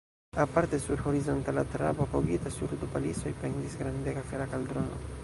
Aparte sur horizontala trabo, apogita sur du palisoj, pendis grandega fera kaldrono.